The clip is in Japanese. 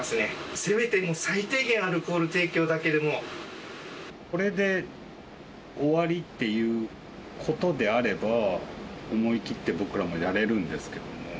せめて、最低限、これで終わりっていうことであれば、思い切って僕らもやれるんですけれども。